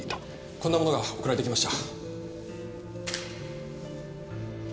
こんなものが送られてきました。